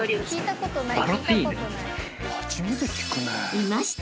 ［いました！